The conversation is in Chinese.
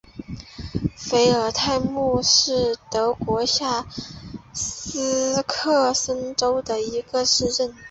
费尔泰姆是德国下萨克森州的一个市镇。